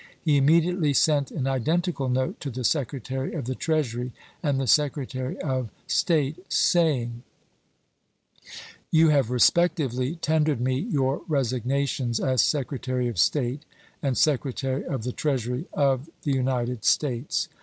He immediately sent an identical note to the Secretary of the Treasury and the Secretary of State, saying : You have respectively tendered me your resignations as Secretary of State and Secretary of the Treasury of the United States.